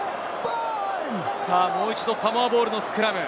もう一度サモアボールのスクラム。